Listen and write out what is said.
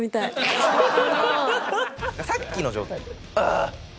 さっきの状態で。